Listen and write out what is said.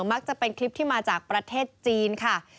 มักจะเป็นคลิปที่มาจากประเทศจีนค่ะ